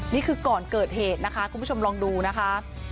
นี่คือก่อนเกิดเหตุนะคะคุณผู้ชมลองดูนะคะ